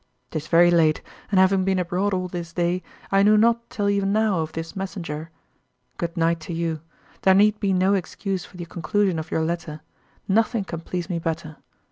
'Tis very late, and having been abroad all this day, I knew not till e'en now of this messenger. Good night to you. There need be no excuse for the conclusion of your letter. Nothing can please me better.